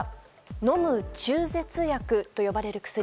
飲む中絶薬と呼ばれる薬。